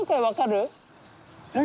分かる？